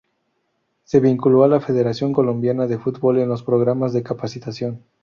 Se vinculó a la Federación Colombiana de Fútbol en los programas de capacitación.